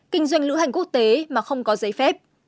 kinh doanh lữ hành quốc tế mà không có giấy phép